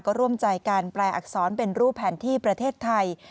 ก็ร่วมใจการแปลอักษรเป็นรูปแผนที่ประเทศไทย